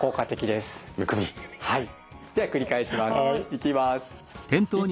いきます。